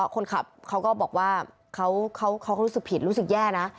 คนขับเขาก็บอกว่าเขาก็รู้สึกผิดรู้สึกแย่นะ